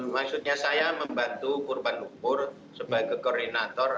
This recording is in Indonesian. maksudnya saya membantu kurban lumpur sebagai koordinator